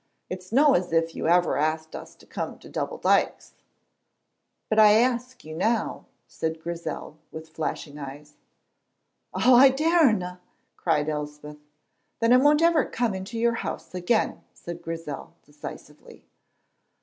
It's no as if you ever asked us to come to Double Dykes." "But I ask you now," said Grizel, with flashing eyes. "Oh, I darena!" cried Elspeth. "Then I won't ever come into your house again," said Grizel, decisively.